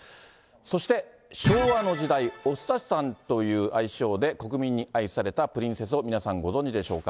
そして、昭和の時代、おスタさんという愛称で国民に愛されたプリンセスを皆さんご存じでしょうか。